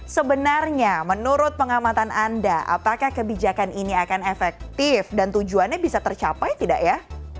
sebenarnya menurut pengamatan anda apakah kebijakan ini akan efektif dan tujuannya bisa tercapai tidak ya